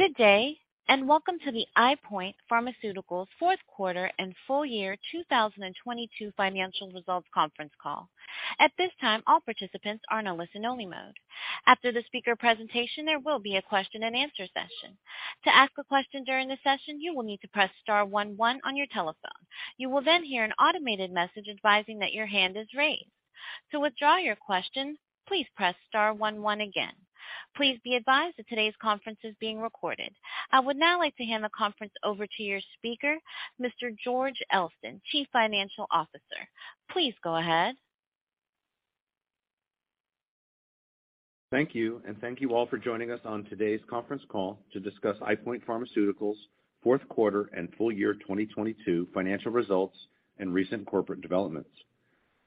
Good day, welcome to the EyePoint Pharmaceuticals Fourth Quarter and Full Year 2022 Financial Results Conference Call. At this time, all participants are in a listen-only mode. After the speaker presentation, there will be a question-and-answer session. To ask a question during the session, you will need to press star one one on your telephone. You will then hear an automated message advising that your hand is raised. To withdraw your question, please press star one one again. Please be advised that today's conference is being recorded. I would now like to hand the conference over to your speaker, Mr. George Elston, Chief Financial Officer. Please go ahead. Thank you. Thank you all for joining us on today's conference call to discuss EyePoint Pharmaceuticals' fourth quarter and full year 2022 financial results and recent corporate developments.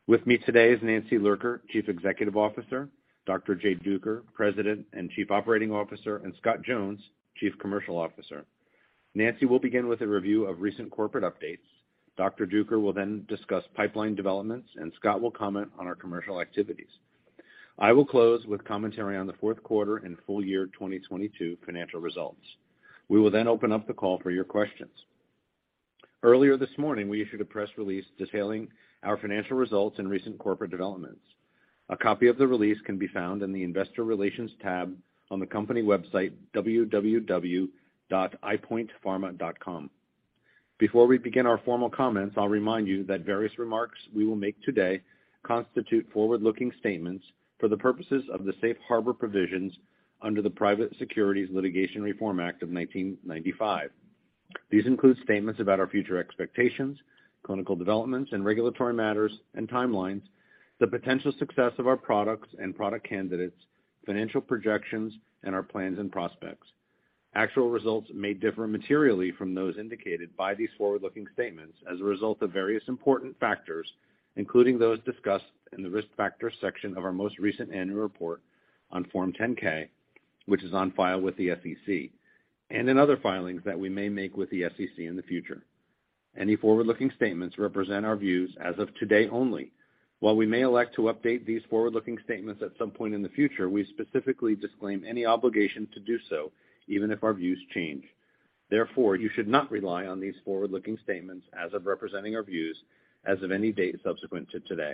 With me today is Nancy Lurker, Chief Executive Officer, Dr. Jay Duker, President and Chief Operating Officer, and Scott Jones, Chief Commercial Officer. Nancy will begin with a review of recent corporate updates. Dr. Duker will then discuss pipeline developments. Scott will comment on our Commercial activities. I will close with commentary on the fourth quarter and full year 2022 financial results. We will open up the call for your questions. Earlier this morning, we issued a press release detailing our financial results and recent corporate developments. A copy of the release can be found in the Investor Relations tab on the company website, www.eyepointpharma.com. Before we begin our formal comments, I'll remind you that various remarks we will make today constitute forward-looking statements for the purposes of the Safe Harbor Provisions under the Private Securities Litigation Reform Act of 1995. These include statements about our future expectations, clinical developments, and regulatory matters and timelines, the potential success of our products and product candidates, financial projections, and our plans and prospects. Actual results may differ materially from those indicated by these forward-looking statements as a result of various important factors, including those discussed in the Risk Factors section of our most recent annual report on Form 10-K, which is on file with the SEC, and in other filings that we may make with the SEC in the future. Any forward-looking statements represent our views as of today only. While we may elect to update these forward-looking statements at some point in the future, we specifically disclaim any obligation to do so, even if our views change. You should not rely on these forward-looking statements as of representing our views as of any date subsequent to today.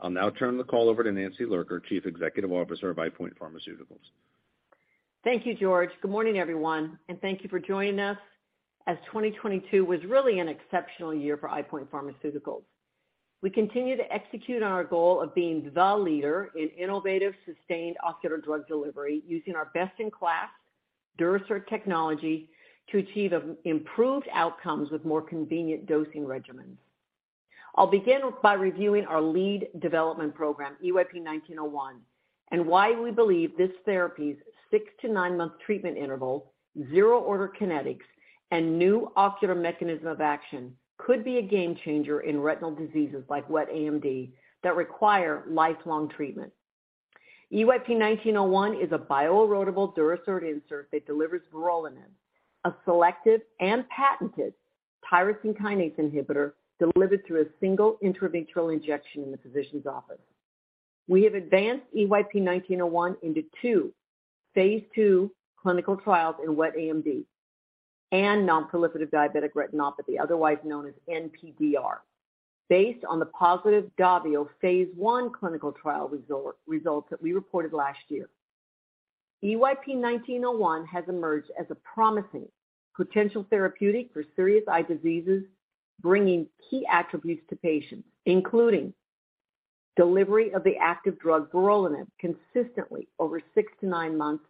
I'll now turn the call over to Nancy Lurker, Chief Executive Officer of EyePoint Pharmaceuticals. Thank you, George. Good morning, everyone. Thank you for joining us as 2022 was really an exceptional year for EyePoint Pharmaceuticals. We continue to execute on our goal of being the leader in innovative sustained ocular drug delivery using our best-in-class Durasert technology to achieve improved outcomes with more convenient dosing regimens. I'll begin by reviewing our lead development program, EYP-1901, and why we believe this therapy's six to nine month treatment interval, zero-order kinetics, and new ocular mechanism of action could be a game-changer in retinal diseases like wet AMD that require lifelong treatment. EYP-1901 is a bio-erodible Durasert insert that delivers vorolanib, a selective and patented tyrosine kinase inhibitor delivered through a single intravitreal injection in the physician's office. We have advanced EYP-1901 into two phase II clinical trials in wet AMD and nonproliferative diabetic retinopathy, otherwise known as NPDR. Based on the positive DAVIO phase I clinical trial results that we reported last year. EYP-1901 has emerged as a promising potential therapeutic for serious eye diseases, bringing key attributes to patients, including delivery of the active drug vorolanib consistently over six to nine months,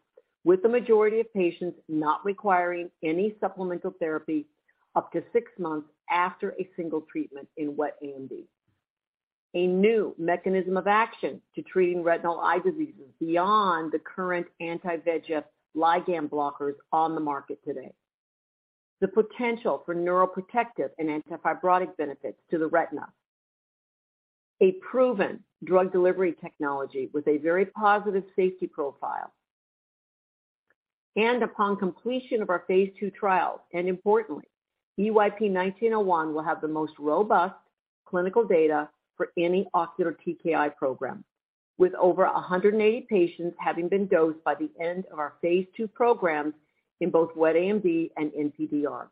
with the majority of patients not requiring any supplemental therapy up to six months after a single treatment in wet AMD. A new mechanism of action to treating retinal eye diseases beyond the current anti-VEGF ligand blockers on the market today. The potential for neuroprotective and anti-fibrotic benefits to the retina. A proven drug delivery technology with a very positive safety profile. Upon completion of our phase II trials, and importantly, EYP-1901 will have the most robust clinical data for any Ocular TKI program, with over 180 patients having been dosed by the end of our phase II programs in both wet AMD and NPDR.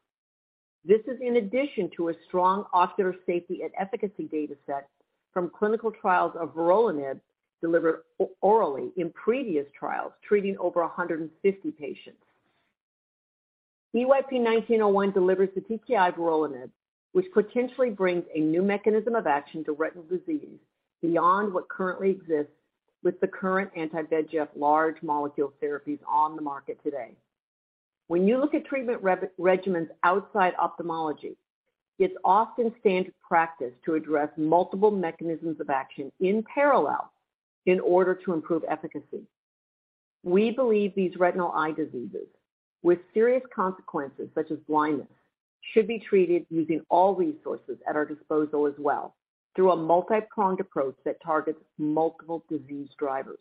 This is in addition to a strong ocular safety and efficacy data set from clinical trials of vorolanib delivered orally in previous trials, treating over 150 patients. EYP-1901 delivers the TKI vorolanib, which potentially brings a new mechanism of action to retinal disease beyond what currently exists with the current anti-VEGF large molecule therapies on the market today. When you look at treatment regimens outside ophthalmology, it's often standard practice to address multiple mechanisms of action in parallel in order to improve efficacy. We believe these retinal eye diseases with serious consequences such as blindness, should be treated using all resources at our disposal as well through a multi-pronged approach that targets multiple disease drivers.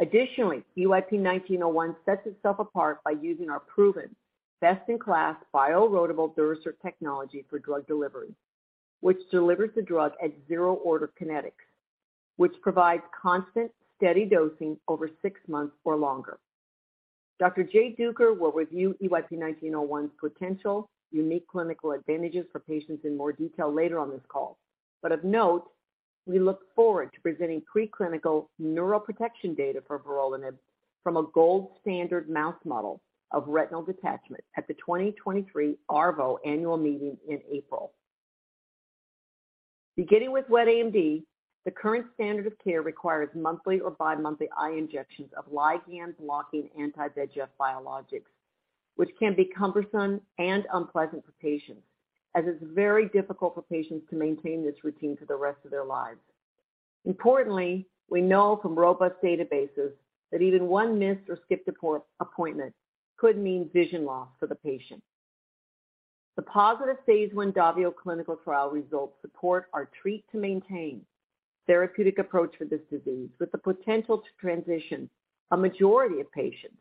Additionally, EYP-1901 sets itself apart by using our proven best-in-class bio-erodible Durasert technology for drug delivery, which delivers the drug at zero-order kinetics, which provides constant, steady dosing over six months or longer. Dr. Jay Duker will review EYP-1901's potential unique clinical advantages for patients in more detail later on this call. Of note, we look forward to presenting preclinical neuroprotection data for vorolanib from a gold standard mouse model of retinal detachment at the 2023 ARVO Annual Meeting in April. Beginning with wet AMD, the current standard of care requires monthly or bi-monthly eye injections of ligand blocking anti-VEGF biologics, which can be cumbersome and unpleasant for patients, as it's very difficult for patients to maintain this routine for the rest of their lives. Importantly, we know from robust databases that even one missed or skipped appointment could mean vision loss for the patient. The positive phase II DAVIO clinical trial results support our treat to maintain therapeutic approach for this disease, with the potential to transition a majority of patients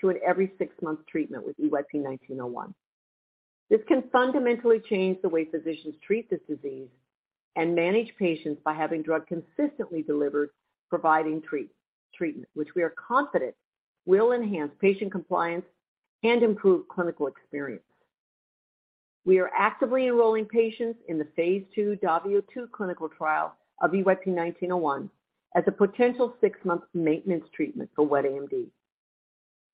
to an every six-month treatment with EYP-1901. This can fundamentally change the way physicians treat this disease and manage patients by having drug consistently delivered, providing treatment, which we are confident will enhance patient compliance and improve clinical experience. We are actively enrolling patients in the phase II DAVIO 2 clinical trial of EYP-1901 as a potential six-month maintenance treatment for wet AMD.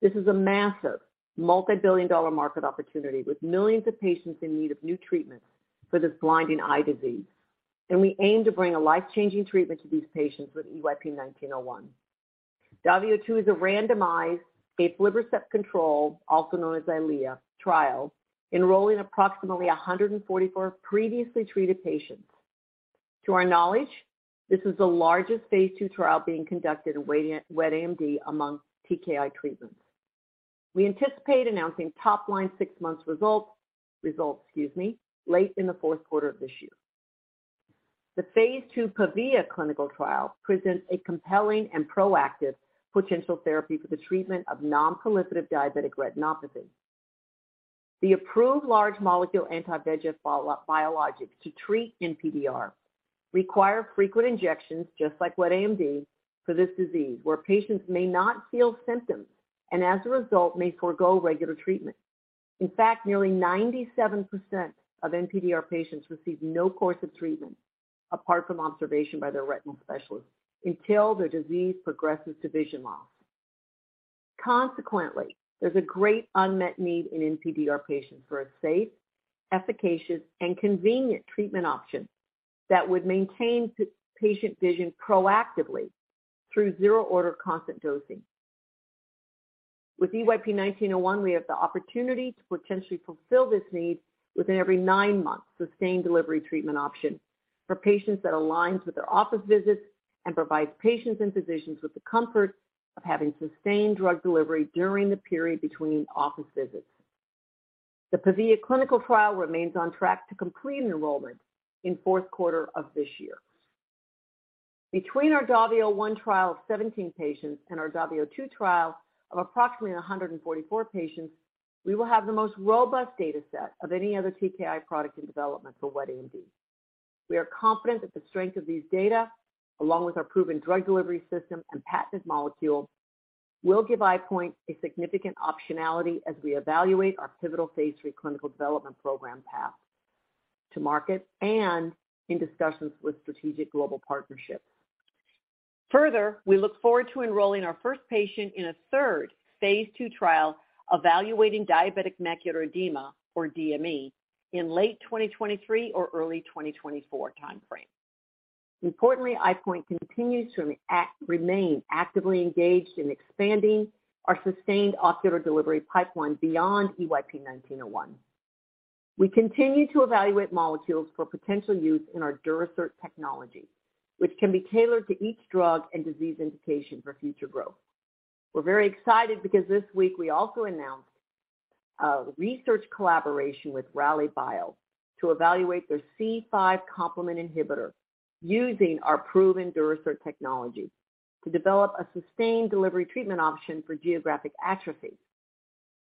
This is a massive multi-billion dollar market opportunity with millions of patients in need of new treatments for this blinding eye disease. We aim to bring a life-changing treatment to these patients with EYP-1901. DAVIO 2 is a randomized aflibercept-controlled, also known as EYLEA, trial enrolling approximately 144 previously treated patients. To our knowledge, this is the largest phase II trial being conducted in wet AMD among TKI treatments. We anticipate announcing top line six months results, excuse me, late in the fourth quarter of this year. The phase II PAVIA clinical trial presents a compelling and proactive potential therapy for the treatment of non-proliferative diabetic retinopathy. The approved large molecule anti-VEGF biologics to treat NPDR require frequent injections, just like wet AMD, for this disease, where patients may not feel symptoms and as a result may forego regular treatment. In fact, nearly 97% of NPDR patients receive no course of treatment apart from observation by their retinal specialist until their disease progresses to vision loss. Consequently, there's a great unmet need in NPDR patients for a safe, efficacious, and convenient treatment option that would maintain patient vision proactively through zero-order constant dosing. With EYP-1901, we have the opportunity to potentially fulfill this need with an every nine months sustained delivery treatment option for patients that aligns with their office visits and provides patients and physicians with the comfort of having sustained drug delivery during the period between office visits. The PAVIA clinical trial remains on track to complete enrollment in fourth quarter of this year. Between our DAVIO 1 trial of 17 patients and our DAVIO 2 trial of approximately 144 patients, we will have the most robust data set of any other TKI product in development for wet AMD. We are confident that the strength of these data, along with our proven drug delivery system and patented molecule, will give EyePoint a significant optionality as we evaluate our pivotal phase III clinical development program path to market and in discussions with strategic global partnerships. We look forward to enrolling our first patient in a third phase II trial evaluating diabetic macular edema, or DME, in late 2023 or early 2024 timeframe. EyePoint continues to remain actively engaged in expanding our sustained ocular delivery pipeline beyond EYP-1901. We continue to evaluate molecules for potential use in our Durasert technology, which can be tailored to each drug and disease indication for future growth. We're very excited because this week we also announced a research collaboration with Rallybio to evaluate their C5 complement inhibitor using our proven Durasert technology to develop a sustained delivery treatment option for geographic atrophy.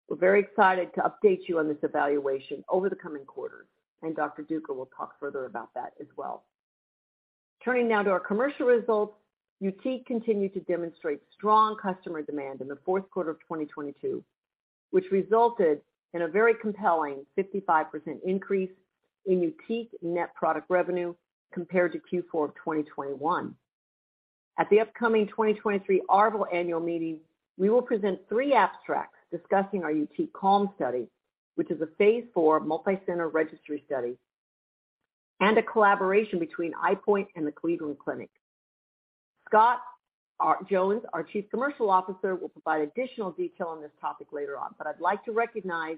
We're very excited to update you on this evaluation over the coming quarters. Dr. Duker will talk further about that as well. Turning now to our Commercial results, YUTIQ continued to demonstrate strong customer demand in the fourth quarter of 2022, which resulted in a very compelling 55% increase in YUTIQ net product revenue compared to Q4 of 2021. At the upcoming 2023 ARVO Annual Meeting, we will present three abstracts discussing our YUTIQ CALM study, which is a phase IV multicenter registry study and a collaboration between EyePoint and the Cleveland Clinic. Scott Jones, our Chief Commercial Officer, will provide additional detail on this topic later on. I'd like to recognize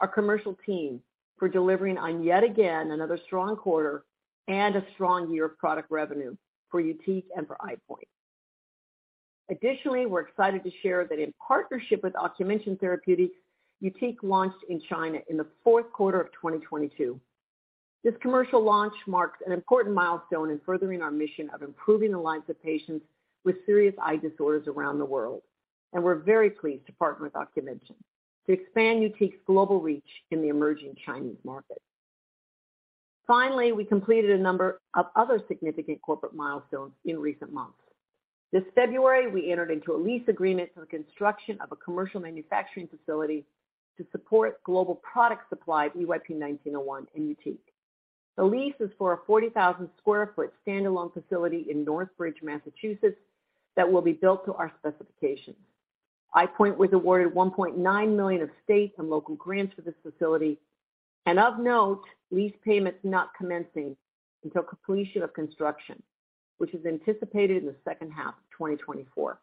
our commercial team for delivering on yet again another strong quarter and a strong year of product revenue for YUTIQ and for EyePoint. Additionally, we're excited to share that in partnership with Ocumension Therapeutics, YUTIQ launched in China in the fourth quarter of 2022. This commercial launch marks an important milestone in furthering our mission of improving the lives of patients with serious eye disorders around the world. We're very pleased to partner with Ocumension to expand YUTIQ's global reach in the emerging Chinese market. Finally, we completed a number of other significant corporate milestones in recent months. This February, we entered into a lease agreement for the construction of a commercial manufacturing facility to support global product supply of EYP-1901 and YUTIQ. The lease is for a 40,000 sq ft standalone facility in Northbridge, Massachusetts that will be built to our specifications. EyePoint was awarded $1.9 million of state and local grants for this facility, and of note, lease payment is not commencing until completion of construction, which is anticipated in the second half of 2024.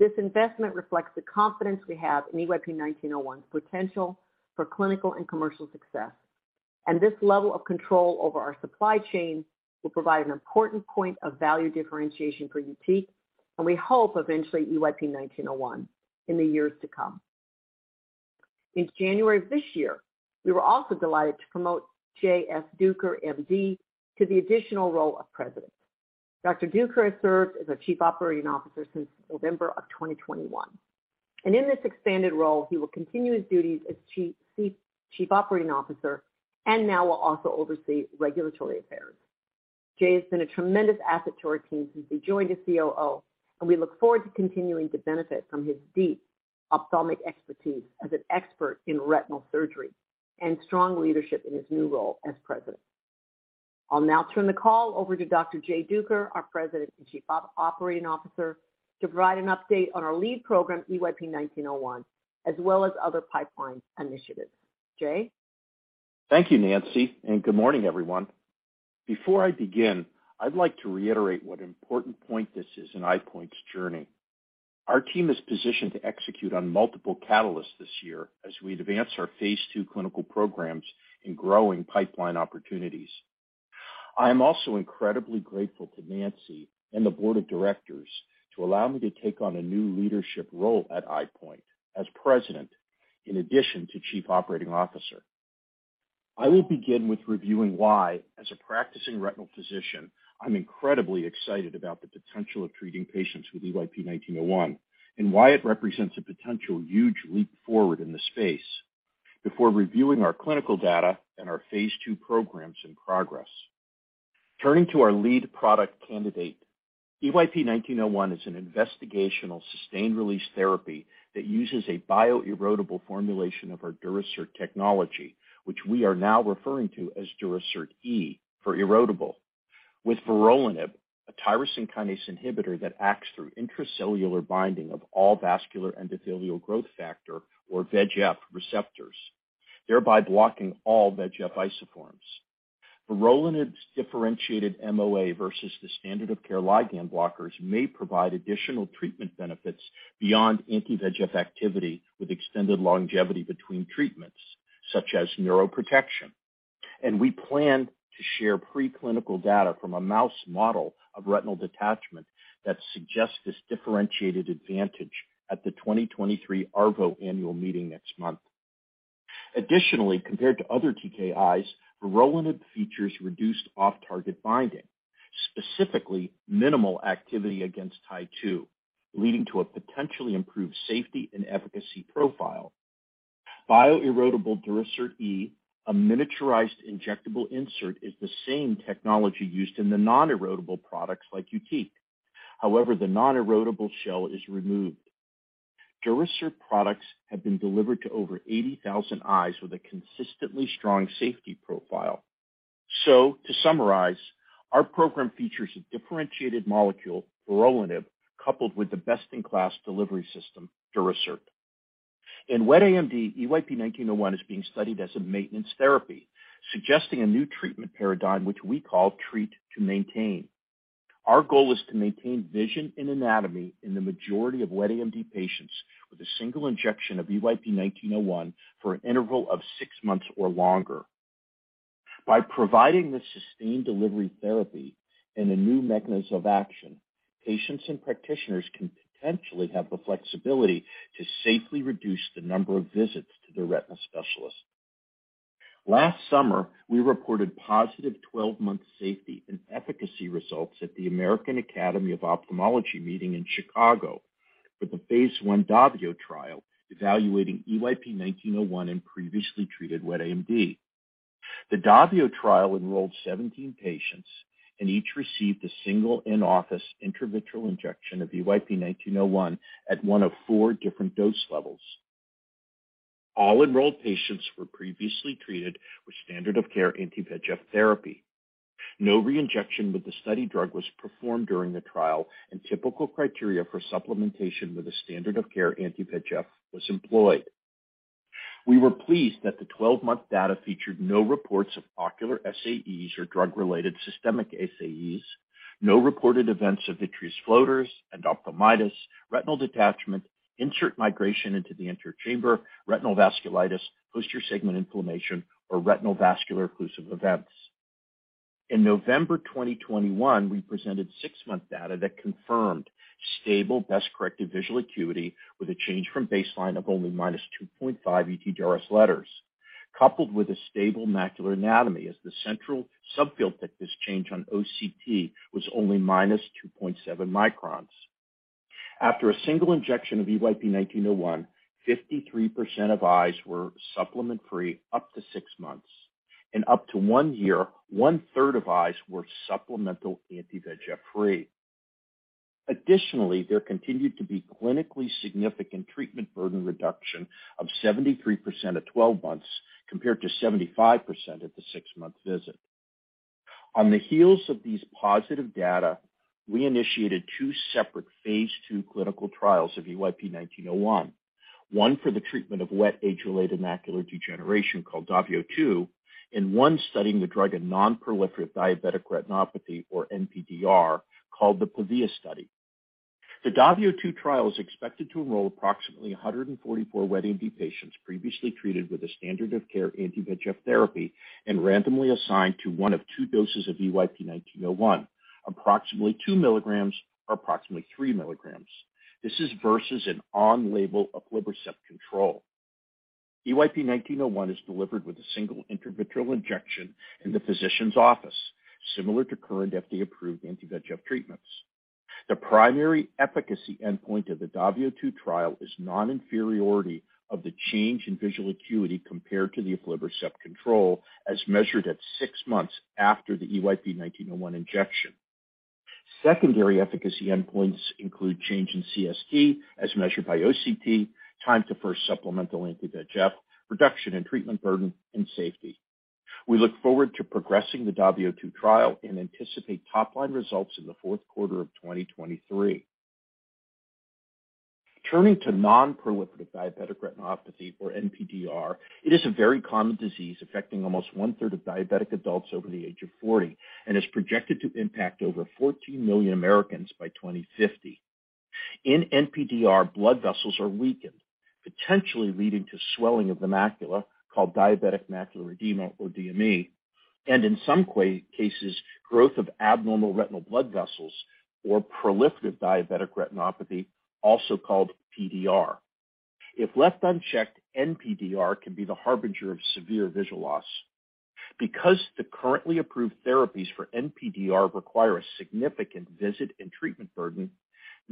This investment reflects the confidence we have in EYP-1901's potential for clinical and commercial success. This level of control over our supply chain will provide an important point of value differentiation for YUTIQ, and we hope eventually EYP-1901 in the years to come. In January of this year, we were also delighted to promote Jay S. Duker, MD, to the additional role of President. Dr. Duker has served as our Chief Operating Officer since November of 2021. In this expanded role, he will continue his duties as Chief Operating Officer, and now will also oversee regulatory affairs. Jay has been a tremendous asset to our team since he joined as COO, and we look forward to continuing to benefit from his deep ophthalmic expertise as an expert in retinal surgery and strong leadership in his new role as President. I'll now turn the call over to Dr. Jay Duker, our President and Chief Operating Officer, to provide an update on our lead program, EYP-1901, as well as other pipeline initiatives. Jay? Thank you, Nancy. Good morning, everyone. Before I begin, I'd like to reiterate what an important point this is in EyePoint's journey. Our team is positioned to execute on multiple catalysts this year as we advance our phase II clinical programs in growing pipeline opportunities. I am also incredibly grateful to Nancy and the board of directors to allow me to take on a new leadership role at EyePoint as President in addition to Chief Operating Officer. I will begin with reviewing why, as a practicing retinal physician, I'm incredibly excited about the potential of treating patients with EYP-1901 and why it represents a potential huge leap forward in the space before reviewing our clinical data and our phase II programs in progress. Turning to our lead product candidate, EYP-1901 is an investigational sustained-release therapy that uses a bio-erodible formulation of our Durasert technology, which we are now referring to as Durasert E for erodible. With vorolanib, a tyrosine kinase inhibitor that acts through intracellular binding of all vascular endothelial growth factor or VEGF receptors, thereby blocking all VEGF isoforms. Vorolanib's differentiated MOA versus the standard of care ligand blockers may provide additional treatment benefits beyond anti-VEGF activity with extended longevity between treatments such as neuroprotection. We plan to share preclinical data from a mouse model of retinal detachment that suggests this differentiated advantage at the 2023 ARVO Annual Meeting next month. Additionally, compared to other TKIs, vorolanib features reduced off-target binding, specifically minimal activity against Tie2, leading to a potentially improved safety and efficacy profile. Bio-erodible Durasert E, a miniaturized injectable insert, is the same technology used in the non-erodible products like YUTIQ. The non-erodible shell is removed. Durasert products have been delivered to over 80,000 eyes with a consistently strong safety profile. To summarize, our program features a differentiated molecule, vorolanib, coupled with the best-in-class delivery system, Durasert. In wet AMD, EYP-1901 is being studied as a maintenance therapy, suggesting a new treatment paradigm, which we call Treat to Maintain. Our goal is to maintain vision and anatomy in the majority of wet AMD patients with a single injection of EYP-1901 for an interval of six months or longer. By providing this sustained delivery therapy and a new mechanism of action, patients and practitioners can potentially have the flexibility to safely reduce the number of visits to their retina specialist. Last summer, we reported positive 12-month safety and efficacy results at the American Academy of Ophthalmology meeting in Chicago for the phase I DAVIO trial evaluating EYP-1901 in previously treated wet AMD. The DAVIO trial enrolled 17 patients, and each received a single in-office intravitreal injection of EYP-1901 at one of four different dose levels. All enrolled patients were previously treated with standard of care anti-VEGF therapy. No reinjection with the study drug was performed during the trial, and typical criteria for supplementation with a standard of care anti-VEGF was employed. We were pleased that the 12-month data featured no reports of ocular SAEs or drug-related systemic SAEs. No reported events of vitreous floaters, endophthalmitis, retinal detachment, insert migration into the anterior chamber, retinal vasculitis, posterior segment inflammation, or retinal vascular occlusive events. In November 2021, we presented six-month data that confirmed stable best-corrected visual acuity with a change from baseline of only -2.5 ETDRS letters, coupled with a stable macular anatomy as the central subfield thickness change on OCT was only -2.7 microns. After a single injection of EYP-1901, 53% of eyes were supplement-free up to six months. Up to one year, 1/3 of eyes were supplemental anti-VEGF free. Additionally, there continued to be clinically significant treatment burden reduction of 73% at 12 months compared to 75% at the six-month visit. On the heels of these positive data, we initiated two separate phase II clinical trials of EYP-1901. One for the treatment of wet age-related macular degeneration called DAVIO 2, and one studying the drug in non-proliferative diabetic retinopathy or NPDR, called the PAVIA study. The DAVIO 2 trial is expected to enroll approximately 144 wet AMD patients previously treated with a standard of care anti-VEGF therapy and randomly assigned to one of two doses of EYP-1901, approximately 2 mg or approximately 3 mg. This is versus an on-label aflibercept control. EYP-1901 is delivered with a single intravitreal injection in the physician's office, similar to current FDA-approved anti-VEGF treatments. The primary efficacy endpoint of the DAVIO 2 trial is non-inferiority of the change in visual acuity compared to the aflibercept control, as measured at six months after the EYP-1901 injection. Secondary efficacy endpoints include change in CST as measured by OCT, time to first supplemental anti-VEGF, reduction in treatment burden, and safety. We look forward to progressing the DAVIO 2 trial and anticipate top-line results in the fourth quarter of 2023. Turning to nonproliferative diabetic retinopathy or NPDR. It is a very common disease affecting almost 1/3 of diabetic adults over the age of 40 and is projected to impact over 14 million Americans by 2050. In NPDR, blood vessels are weakened, potentially leading to swelling of the macula, called diabetic macular edema or DME, and in some cases, growth of abnormal retinal blood vessels or proliferative diabetic retinopathy, also called PDR. If left unchecked, NPDR can be the harbinger of severe visual loss. Because the currently approved therapies for NPDR require a significant visit and treatment burden,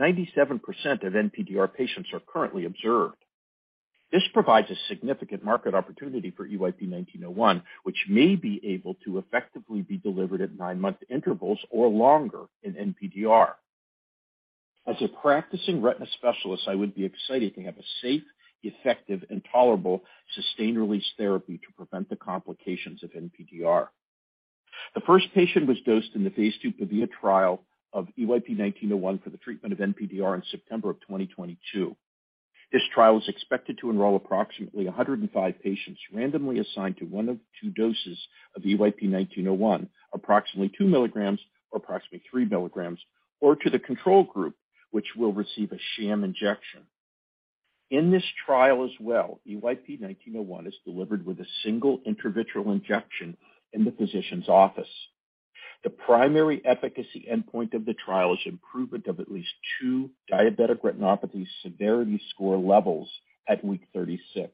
97% of NPDR patients are currently observed. This provides a significant market opportunity for EYP-1901, which may be able to effectively be delivered at nine-month intervals or longer in NPDR. As a practicing retina specialist, I would be excited to have a safe, effective, and tolerable sustained-release therapy to prevent the complications of NPDR. The first patient was dosed in the phase II PAVIA trial of EYP-1901 for the treatment of NPDR in September of 2022. This trial is expected to enroll approximately 105 patients randomly assigned to one of two doses of EYP-1901, approximately 2 mg or approximately 3 mg, or to the control group, which will receive a sham injection. In this trial as well, EYP-1901 is delivered with a single intravitreal injection in the physician's office. The primary efficacy endpoint of the trial is improvement of at least two diabetic retinopathy severity score levels at week 36.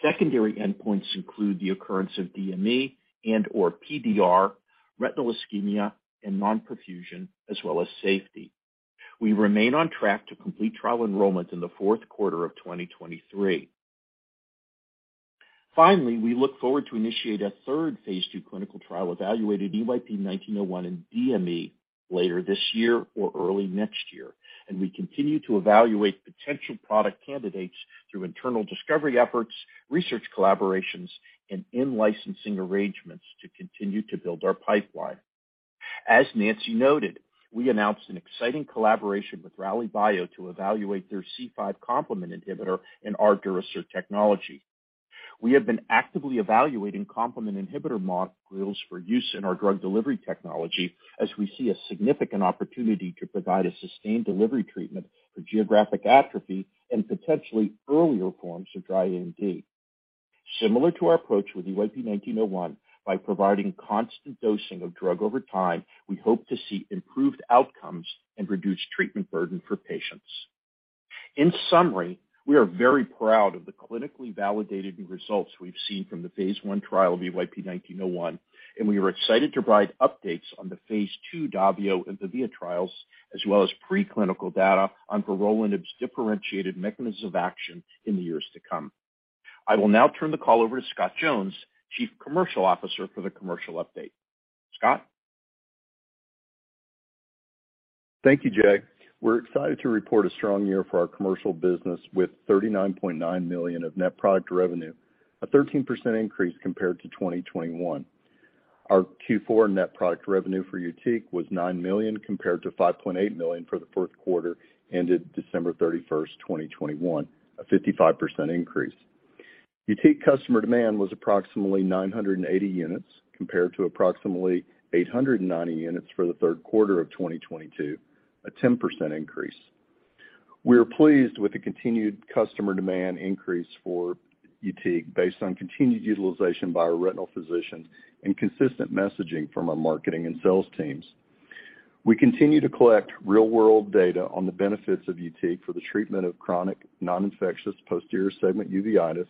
Secondary endpoints include the occurrence of DME and/or PDR, retinal ischemia and non-perfusion, as well as safety. We remain on track to complete trial enrollment in the fourth quarter of 2023. We look forward to initiate a third phase II clinical trial evaluating EYP-1901 in DME later this year or early next year. We continue to evaluate potential product candidates through internal discovery efforts, research collaborations, and in-licensing arrangements to continue to build our pipeline. As Nancy noted, we announced an exciting collaboration with Rallybio to evaluate their C5 complement inhibitor in our Durasert technology. We have been actively evaluating complement inhibitor molecules for use in our drug delivery technology as we see a significant opportunity to provide a sustained delivery treatment for geographic atrophy and potentially earlier forms of dry AMD. Similar to our approach with EYP-1901, by providing constant dosing of drug over time, we hope to see improved outcomes and reduced treatment burden for patients. In summary, we are very proud of the clinically validated results we've seen from the phase I trial of EYP-1901. We are excited to provide updates on the phase II DAVIO and PAVIA trials, as well as preclinical data on vorolanib's differentiated mechanisms of action in the years to come. I will now turn the call over to Scott Jones, Chief Commercial Officer, for the commercial update. Scott? Thank you, Jay. We're excited to report a strong year for our commercial business with $39.9 million of net product revenue, a 13% increase compared to 2021. Our Q4 net product revenue for YUTIQ was $9 million compared to $5.8 million for the first quarter ended December 31st, 2021, a 55% increase. YUTIQ customer demand was approximately 980 units compared to approximately 890 units for the third quarter of 2022, a 10% increase. We are pleased with the continued customer demand increase for YUTIQ based on continued utilization by our retinal physicians and consistent messaging from our marketing and sales teams. We continue to collect real-world data on the benefits of YUTIQ for the treatment of chronic non-infectious posterior segment uveitis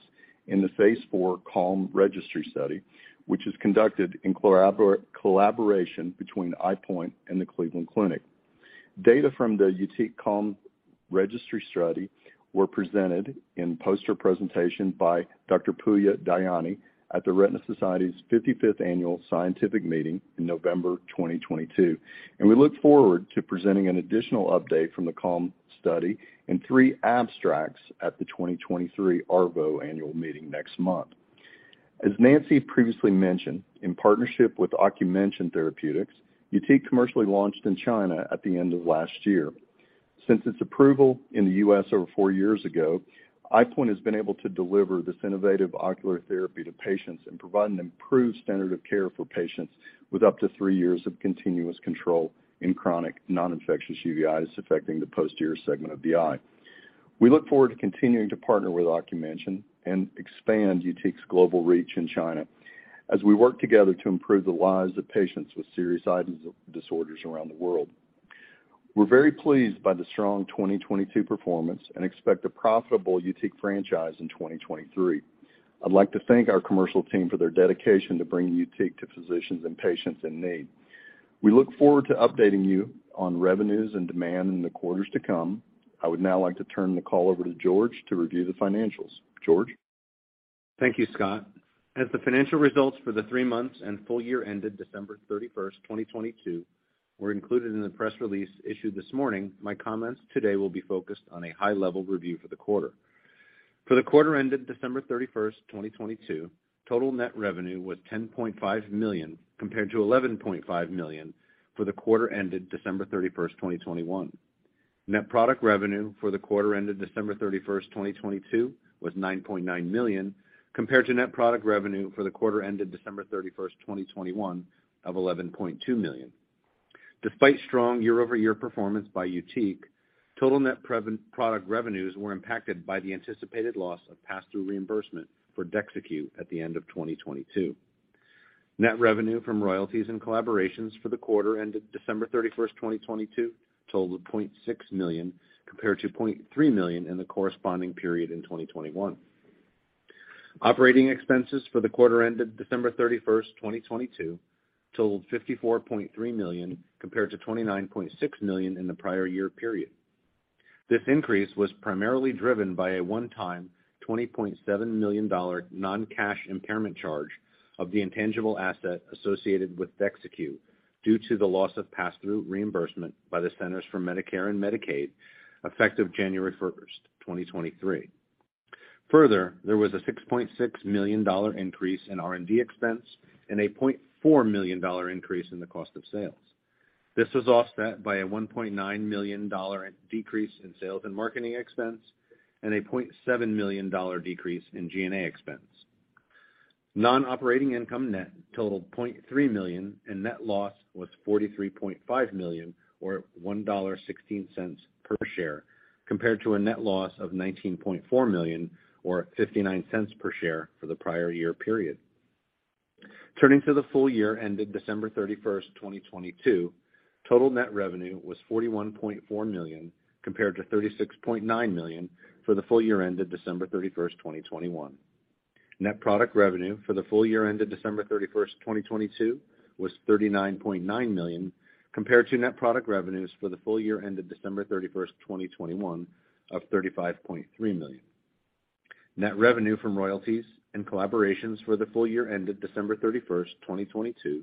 in the phase IV CALM registry study, which is conducted in collaboration between EyePoint and the Cleveland Clinic. Data from the YUTIQ CALM registry study were presented in poster presentation by Dr. Pouya Dayani at the Retina Society's 55th Annual Scientific Meeting in November 2022. We look forward to presenting an additional update from the CALM study in three abstracts at the 2023 ARVO Annual Meeting next month. As Nancy previously mentioned, in partnership with Ocumension Therapeutics, YUTIQ commercially launched in China at the end of last year. Since its approval in the U.S. over four years ago, EyePoint has been able to deliver this innovative ocular therapy to patients and provide an improved standard of care for patients with up to three years of continuous control in chronic non-infectious uveitis affecting the posterior segment of the eye. We look forward to continuing to partner with Ocumension and expand YUTIQ's global reach in China as we work together to improve the lives of patients with serious eye disorders around the world. We're very pleased by the strong 2022 performance and expect a profitable YUTIQ franchise in 2023. I'd like to thank our Commercial team for their dedication to bringing YUTIQ to physicians and patients in need. We look forward to updating you on revenues and demand in the quarters to come. I would now like to turn the call over to George to review the financials. George? Thank you, Scott. As the financial results for the three months and full year ended December 31, 2022 were included in the press release issued this morning, my comments today will be focused on a high-level review for the quarter. For the quarter ended December 31, 2022, total net revenue was $10.5 million, compared to $11.5 million for the quarter ended December 31, 2021. Net product revenue for the quarter ended December 31, 2022 was $9.9 million, compared to net product revenue for the quarter ended December 31, 2021 of $11.2 million. Despite strong year-over-year performance by YUTIQ, total net product revenues were impacted by the anticipated loss of passthrough reimbursement for DEXYCU at the end of 2022. Net revenue from royalties and collaborations for the quarter ended December 31st, 2022 totaled $0.6 million, compared to $0.3 million in the corresponding period in 2021. Operating expenses for the quarter ended December 31st, 2022 totaled $54.3 million, compared to $29.6 million in the prior year period. This increase was primarily driven by a one-time $20.7 million non-cash impairment charge of the intangible asset associated with DEXYCU due to the loss of passthrough reimbursement by the Centers for Medicare and Medicaid, effective January 1st, 2023. Further, there was a $6.6 million increase in R&D expense and a $0.4 million increase in the cost of sales. This was offset by a $1.9 million decrease in sales and marketing expense and a $0.7 million decrease in G&A expense. Non-operating income net totaled $0.3 million, and net loss was $43.5 million, or $1.16 per share, compared to a net loss of $19.4 million, or $0.59 per share for the prior year period. Turning to the full year ended December 31st, 2022, total net revenue was $41.4 million, compared to $36.9 million for the full year ended December 31st, 2021. Net product revenue for the full year ended December 31st, 2022 was $39.9 million, compared to net product revenues for the full year ended December 31st, 2021 of $35.3 million. Net revenue from royalties and collaborations for the full year ended December 31st, 2022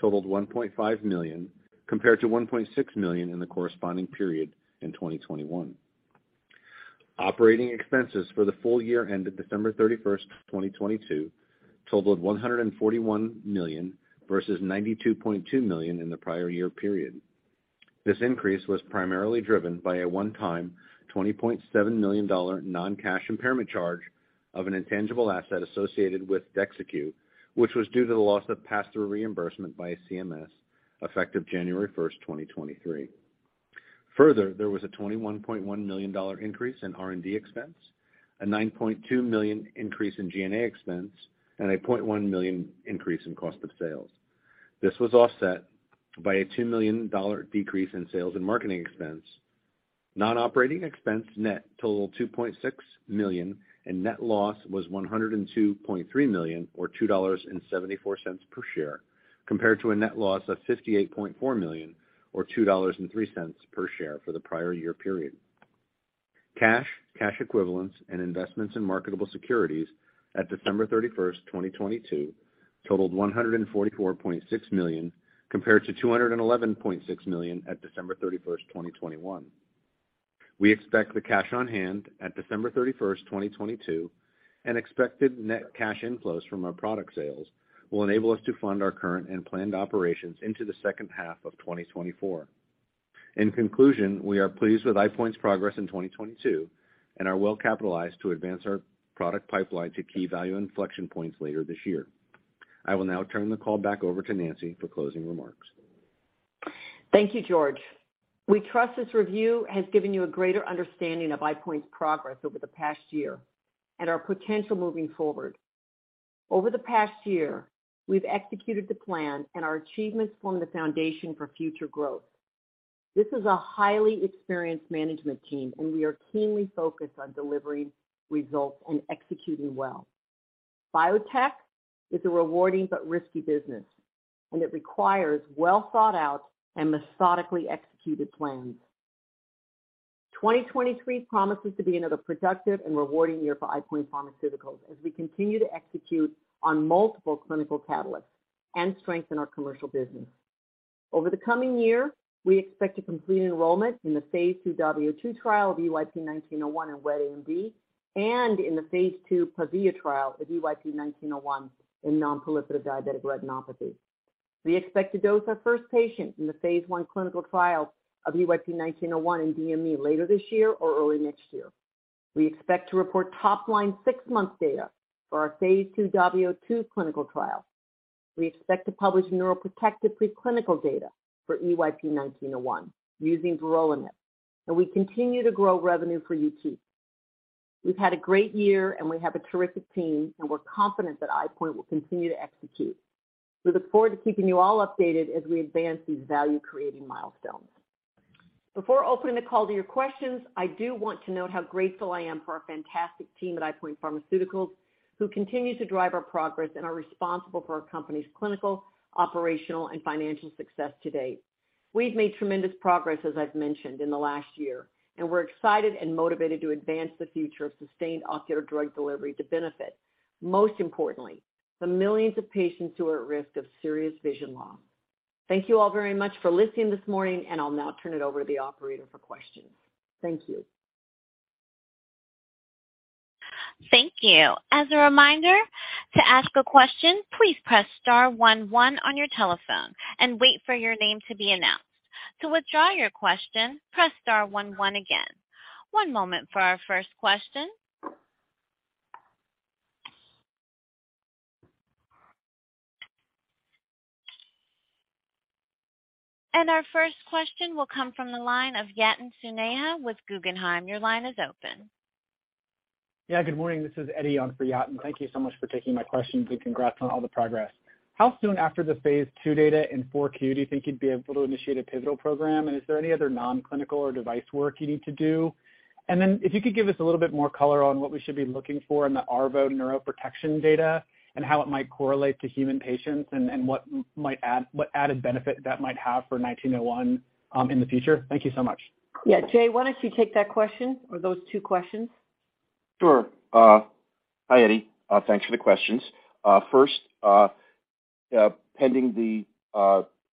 totaled $1.5 million, compared to $1.6 million in the corresponding period in 2021. Operating expenses for the full year ended December 31st, 2022 totaled $141 million, versus $92.2 million in the prior year period. This increase was primarily driven by a one-time $20.7 million non-cash impairment charge of an intangible asset associated with DEXYCU, which was due to the loss of passthrough reimbursement by CMS, effective January 1st, 2023. There was a $21.1 million increase in R&D expense, a $9.2 million increase in G&A expense, and a $0.1 million increase in cost of sales. This was offset by a $2 million decrease in sales and marketing expense. Non-operating expense net totaled $2.6 million, and net loss was $102.3 million, or $2.74 per share, compared to a net loss of $58.4 million, or $2.03 per share for the prior year period. Cash, cash equivalents, and investments in marketable securities at December 31, 2022 totaled $144.6 million, compared to $211.6 million at December 31, 2021. We expect the cash on hand at December 31, 2022, and expected net cash inflows from our product sales will enable us to fund our current and planned operations into the second half of 2024. In conclusion, we are pleased with EyePoint's progress in 2022 and are well-capitalized to advance our product pipeline to key value inflection points later this year. I will now turn the call back over to Nancy for closing remarks. Thank you, George. We trust this review has given you a greater understanding of EyePoint's progress over the past year and our potential moving forward. Over the past year, we've executed the plan, and our achievements form the foundation for future growth. This is a highly experienced management team, and we are keenly focused on delivering results and executing well. Biotech is a rewarding but risky business, and it requires well-thought-out and methodically executed plans. 2023 promises to be another productive and rewarding year for EyePoint Pharmaceuticals as we continue to execute on multiple clinical catalysts and strengthen our Commercial business. Over the coming year, we expect to complete enrollment in the phase II DAVIO 2 trial of EYP-1901 in wet AMD and in the phase II PAVIA trial of EYP-1901 in nonproliferative diabetic retinopathy. We expect to dose our first patient in the phase I clinical trial of EYP-1901 in DME later this year or early next year. We expect to report top-line six-month data for our phase II DAVIO 2 clinical trial. We expect to publish neuroprotective preclinical data for EYP-1901 using vorolanib. We continue to grow revenue for YUTIQ. We've had a great year, we have a terrific team, and we're confident that EyePoint will continue to execute. We look forward to keeping you all updated as we advance these value-creating milestones. Before opening the call to your questions, I do want to note how grateful I am for our fantastic team at EyePoint Pharmaceuticals, who continue to drive our progress and are responsible for our company's clinical, operational, and financial success to date. We've made tremendous progress, as I've mentioned, in the last year, we're excited and motivated to advance the future of sustained ocular drug delivery to benefit, most importantly, the millions of patients who are at risk of serious vision loss. Thank you all very much for listening this morning, I'll now turn it over to the operator for questions. Thank you. Thank you. As a reminder, to ask a question, please press star one-one on your telephone and wait for your name to be announced. To withdraw your question, press star one-one again. One moment for our first question. Our first question will come from the line of Yatin Suneja with Guggenheim. Your line is open. Yeah, good morning. This is Eddie on for Yatin. Thank you so much for taking my questions and congrats on all the progress. How soon after the phase II data in 4Q do you think you'd be able to initiate a pivotal program? Is there any other non-clinical or device work you need to do? Then if you could give us a little bit more color on what we should be looking for in the ARVO neuroprotection data and how it might correlate to human patients and what added benefit that might have for EYP-1901 in the future. Thank you so much. Yeah. Jay, why don't you take that question or those two questions? Sure. Hi, Eddie. Thanks for the questions. First, pending the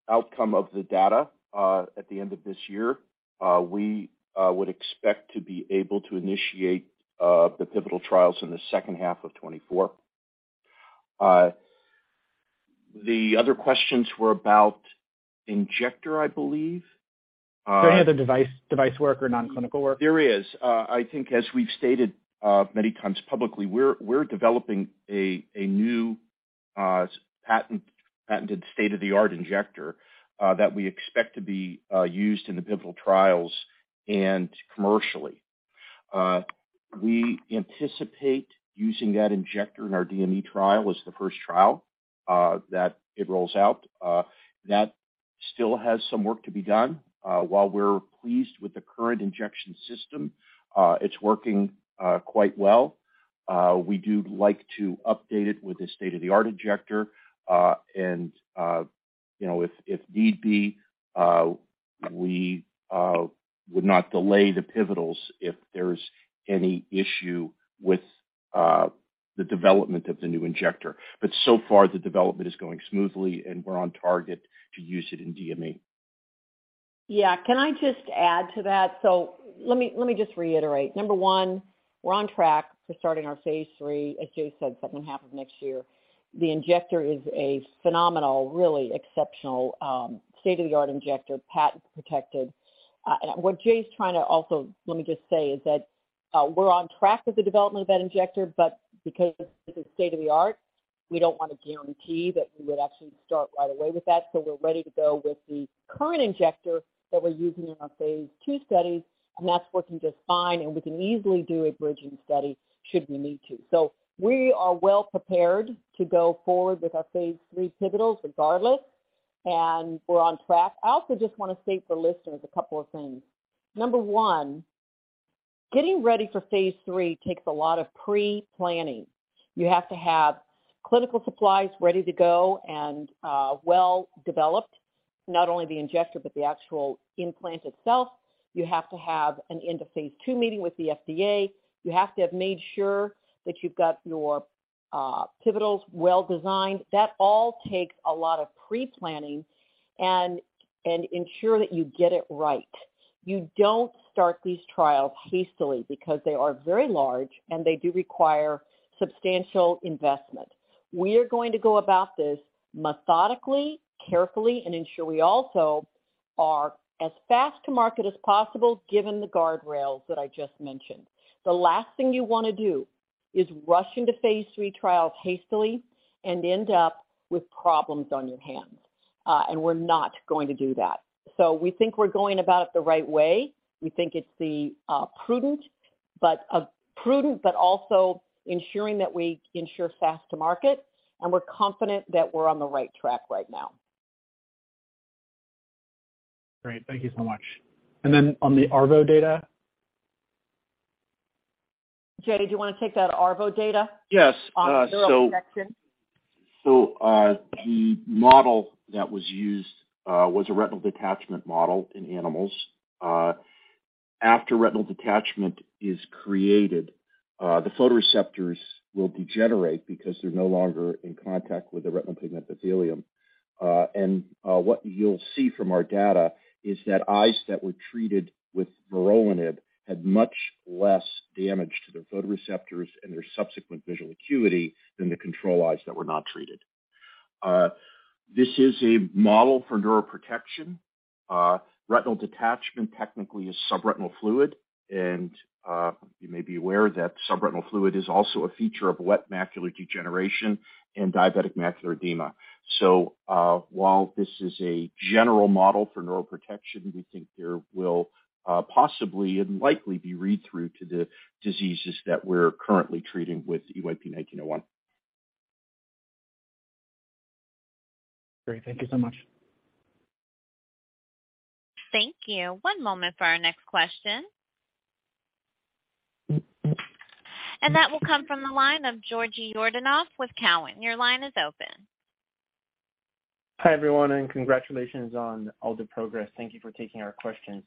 outcome of the data at the end of this year, we would expect to be able to initiate the pivotal trials in the second half of 2024. The other questions were about injector, I believe. For any other device work or non-clinical work. There is. I think as we've stated, many times publicly, we're developing a new, patented state-of-the-art injector that we expect to be used in the pivotal trials and commercially. We anticipate using that injector in our DME trial as the first trial that it rolls out. That still has some work to be done. While we're pleased with the current injection system, it's working quite well. We do like to update it with a state-of-the-art injector. And, you know, if need be, we would not delay the pivotals if there's any issue with the development of the new injector. So far, the development is going smoothly, and we're on target to use it in DME. Yeah. Can I just add to that? Let me just reiterate. Number one, we're on track for starting our phase III, as Jay said, second half of next year. The injector is a phenomenal, really exceptional, state-of-the-art injector, patent protected. What Jay's trying to also, let me just say, is that we're on track with the development of that injector, but because it's state of the art, we don't want to guarantee that we would actually start right away with that. We're ready to go with the current injector that we're using in our phase II studies, and that's working just fine. We can easily do a bridging study should we need to. We are well prepared to go forward with our phase III pivotals regardless. We're on track. I also just want to state for listeners a couple of things. Number one, getting ready for phase III takes a lot of pre-planning. You have to have clinical supplies ready to go and well developed, not only the injector, but the actual implant itself. You have to have an end-of-phase II meeting with the FDA. You have to have made sure that you've got your pivotals well designed. That all takes a lot of pre-planning and ensure that you get it right. You don't start these trials hastily because they are very large, and they do require substantial investment. We are going to go about this methodically, carefully, and ensure we also are as fast to market as possible given the guardrails that I just mentioned. The last thing you want to do is rush into phase III trials hastily and end up with problems on your hands. We're not going to do that. We think we're going about it the right way. We think it's the prudent but also ensuring that we ensure fast to market. We're confident that we're on the right track right now. Great. Thank you so much. On the ARVO data. Jay, do you want to take that ARVO data- Yes. on neuroprotection? The model that was used was a retinal detachment model in animals. After retinal detachment is created, the photoreceptors will degenerate because they're no longer in contact with the retinal pigment epithelium. What you'll see from our data is that eyes that were treated with vorolanib had much less damage to their photoreceptors and their subsequent visual acuity than the control eyes that were not treated. This is a model for neuroprotection. Retinal detachment technically is subretinal fluid. You may be aware that subretinal fluid is also a feature of wet macular degeneration and diabetic macular edema. While this is a general model for neuroprotection, we think there will possibly and likely be read through to the diseases that we're currently treating with EYP-1901. Great. Thank you so much. Thank you. One moment for our next question. That will come from the line of Georgi Yordanov with Cowen. Your line is open. Hi, everyone, and congratulations on all the progress. Thank you for taking our questions.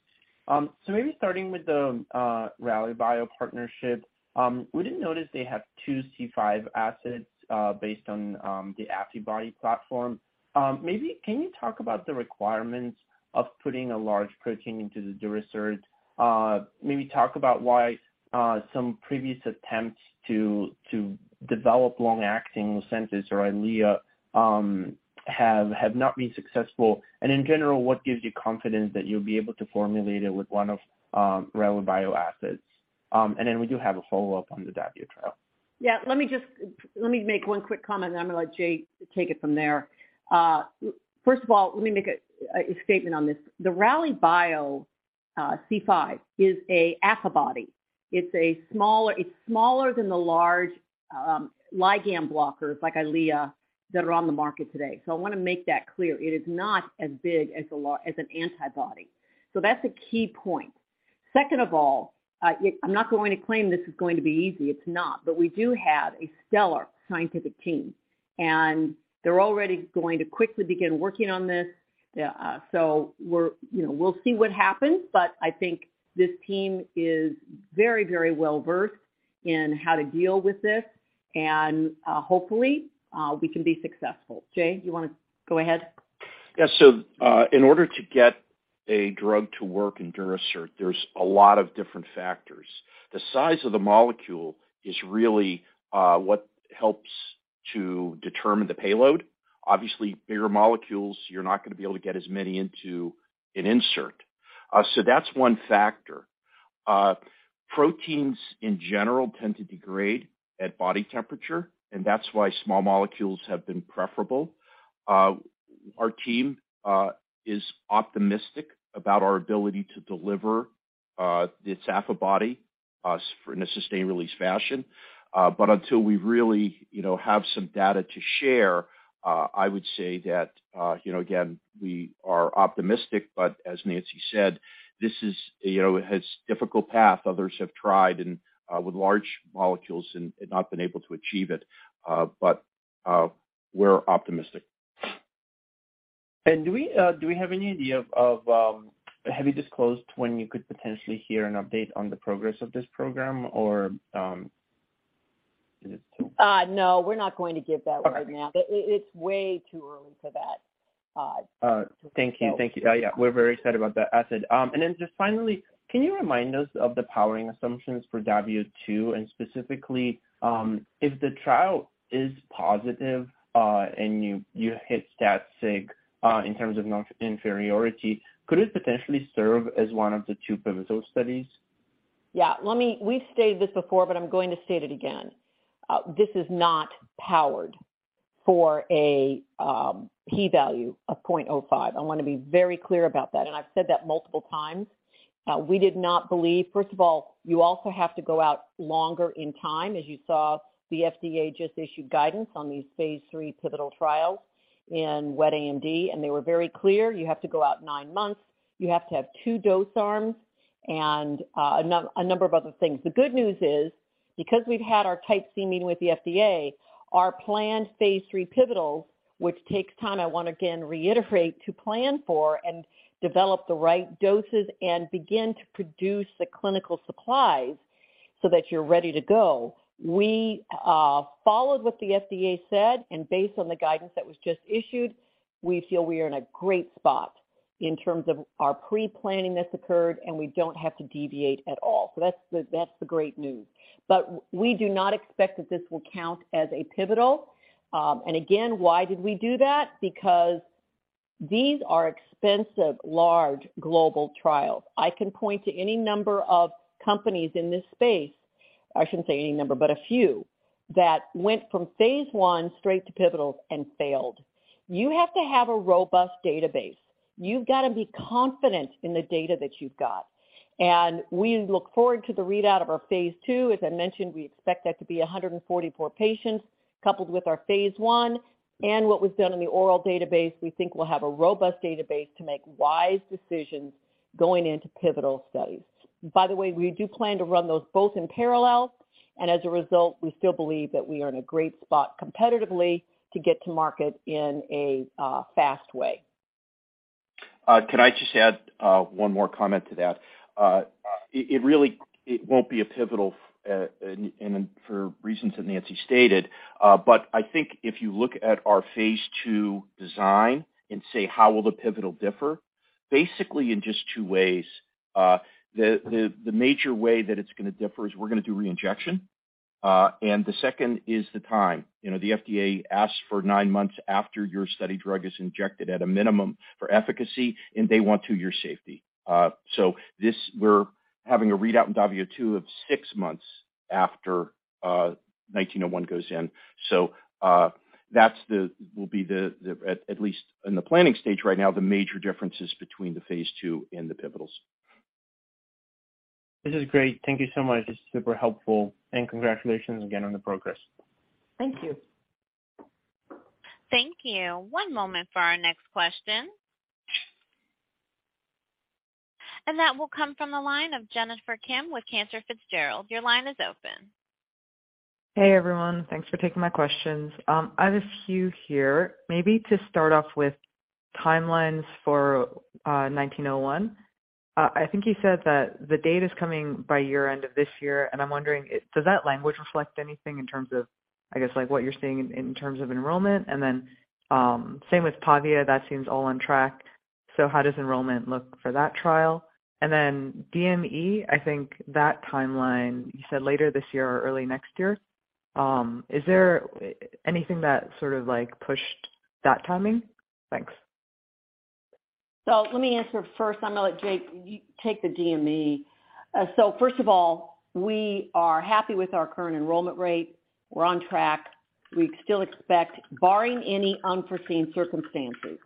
Maybe starting with the Rallybio partnership, we didn't notice they have two C5 assets, based on the antibody platform. Maybe can you talk about the requirements of putting a large protein into the Durasert? Maybe talk about why some previous attempts to develop long-acting LUCENTIS or EYLEA have not been successful. In general, what gives you confidence that you'll be able to formulate it with one of Rallybio assets? Then we do have a follow-up on the DAVIO trial. Yeah. Let me make one quick comment, and I'm gonna let Jay take it from there. First of all, let me make a statement on this. The Rallybio C5 is an Affibody. It's smaller than the large ligand blockers like EYLEA that are on the market today. I wanna make that clear. It is not as big as an antibody. That's a key point. Second of all, I'm not going to claim this is going to be easy. It's not. We do have a stellar scientific team, and they're already going to quickly begin working on this. You know, we'll see what happens, I think this team is very well-versed in how to deal with this. Hopefully, we can be successful. Jay, you wanna go ahead? In order to get a drug to work in Durasert, there's a lot of different factors. The size of the molecule is really what helps to determine the payload. Obviously, bigger molecules, you're not gonna be able to get as many into an insert. That's one factor. Proteins, in general, tend to degrade at body temperature, and that's why small molecules have been preferable. Our team is optimistic about our ability to deliver this affibody in a sustained-release fashion. Until we really, you know, have some data to share, I would say that, you know, again, we are optimistic, but as Nancy said, this is a, you know, has difficult path others have tried and with large molecules and not been able to achieve it. We're optimistic. Do we have any idea of Have you disclosed when you could potentially hear an update on the progress of this program or is it too? No, we're not going to give that right now. Okay. It's way too early for that to tell. Thank you. Thank you. Yeah, we're very excited about that asset. Then just finally, can you remind us of the powering assumptions for DAVIO 2? Specifically, if the trial is positive, and you hit stat sig in terms of non-inferiority, could it potentially serve as one of the two pivotal studies? Yeah. We've stated this before, but I'm going to state it again. This is not powered for a P value of 0.05. I wanna be very clear about that, and I've said that multiple times. First of all, you also have to go out longer in time. As you saw, the FDA just issued guidance on these phase III pivotal trials in wet AMD, and they were very clear. You have to go out nine months. You have to have two dose arms and a number of other things. The good news is, because we've had our Type C meeting with the FDA, our planned phase III pivotal, which takes time, I wanna again reiterate, to plan for and develop the right doses and begin to produce the clinical supplies so that you're ready to go. We followed what the FDA said, and based on the guidance that was just issued, we feel we are in a great spot in terms of our pre-planning that's occurred, and we don't have to deviate at all. That's the great news. We do not expect that this will count as a pivotal. And again, why did we do that? Because these are expensive, large global trials. I can point to any number of companies in this space, I shouldn't say any number, but a few, that went from phase I straight to pivotal and failed. You have to have a robust database. You've gotta be confident in the data that you've got. We look forward to the readout of our phase II. As I mentioned, we expect that to be 144 patients coupled with our phase I. What was done in the oral database, we think we'll have a robust database to make wise decisions going into pivotal studies. By the way, we do plan to run those both in parallel. As a result, we still believe that we are in a great spot competitively to get to market in a fast way. Can I just add one more comment to that? It won't be a pivotal, and for reasons that Nancy stated. I think if you look at our phase II design and say, how will the pivotal differ? Basically, in just two ways. The major way that it's gonna differ is we're gonna do reinjection. The second is the time. You know, the FDA asks for nine months after your study drug is injected at a minimum for efficacy, and they want two-year safety. We're having a readout in DAVIO 2 of six months after EYP-1901 goes in. That will be, at least in the planning stage right now, the major differences between the phase II and the pivotals. This is great. Thank you so much. This is super helpful. Congratulations again on the progress. Thank you. Thank you. One moment for our next question. That will come from the line of Jennifer Kim with Cantor Fitzgerald. Your line is open. Hey, everyone. Thanks for taking my questions. I have a few here, maybe to start off with timelines for EYP-1901. I think you said that the data's coming by year-end of this year, and I'm wondering if does that language reflect anything in terms of what you're seeing in terms of enrollment? Same with PAVIA. That seems all on track. How does enrollment look for that trial? DME, I think that timeline, you said later this year or early next year. Is there anything that pushed that timing? Thanks. Let me answer first. I'm gonna let Jay take the DME. First of all, we are happy with our current enrollment rate. We're on track. We still expect, barring any unforeseen circumstances,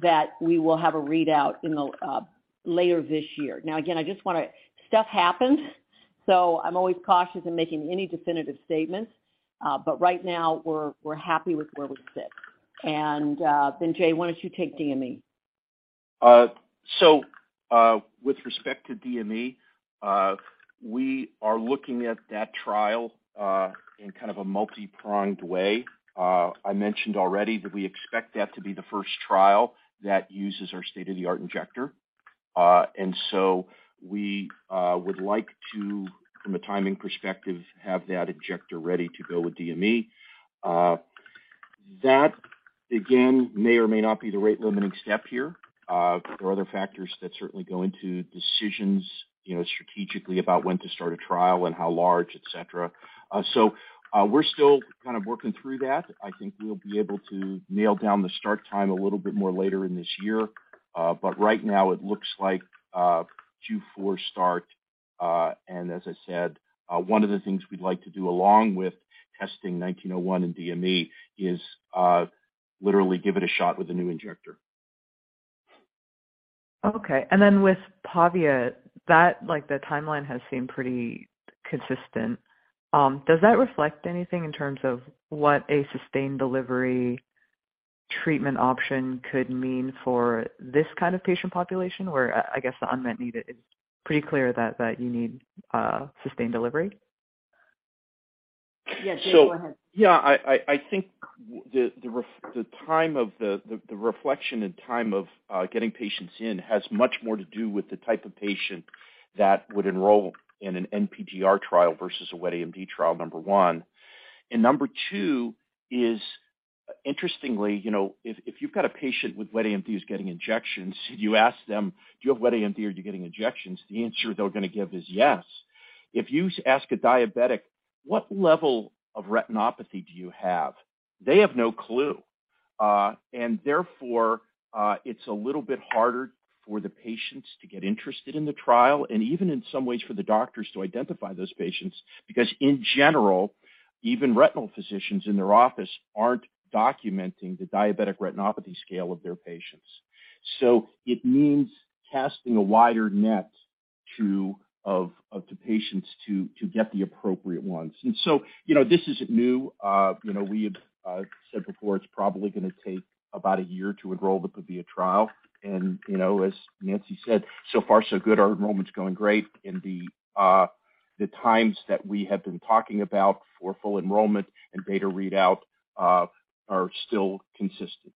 that we will have a readout later this year. Now, again, stuff happens, so I'm always cautious in making any definitive statements. Right now we're happy with where we sit. Jay, why don't you take DME? So with respect to DME, we are looking at that trial, in kind of a multi-pronged way. I mentioned already that we expect that to be the first trial that uses our state-of-the-art injector. We would like to, from a timing perspective, have that injector ready to go with DME. That again may or may not be the rate limiting step here. There are other factors that certainly go into decisions, you know, strategically about when to start a trial and how large, et cetera. We're still kind of working through that. I think we'll be able to nail down the start time a little bit more later in this year. Right now it looks like Q4 start. As I said, one of the things we'd like to do along with testing EYP-1901 and DME is, literally give it a shot with a new injector. Okay. With PAVIA, that like, the timeline has seemed pretty consistent. Does that reflect anything in terms of what a sustained delivery treatment option could mean for this kind of patient population? Where I guess the unmet need is pretty clear that you need sustained delivery. Yes. Jay, go ahead. Yeah, I think the time of the reflection and time of getting patients in has much more to do with the type of patient that would enroll in an NPDR trial versus a wet AMD trial, number one. Number two is, interestingly, you know, if you've got a patient with wet AMD who's getting injections, you ask them, "Do you have wet AMD? Are you getting injections?" The answer they're gonna give is yes. If you ask a diabetic, "What level of retinopathy do you have?" They have no clue. And therefore, it's a little bit harder for the patients to get interested in the trial and even in some ways for the doctors to identify those patients, because in general, even retinal physicians in their office aren't documenting the Diabetic Retinopathy Severity Scale of their patients. it means casting a wider net of the patients to get the appropriate ones. you know, this isn't new. you know, we have said before it's probably gonna take about a year to enroll the PAVIA trial. you know, as Nancy said, so far so good. Our enrollment's going great. the times that we have been talking about for full enrollment and data readout are still consistent.